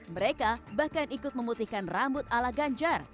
mereka bahkan ikut memutihkan rambut ala ganjar